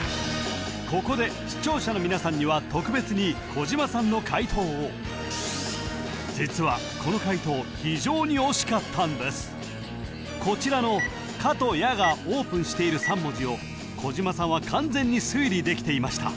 ここで視聴者の皆さんには特別に小島さんの解答を実はこの解答非常に惜しかったんですこちらの「か」と「や」がオープンしている３文字を小島さんは完全に推理できていました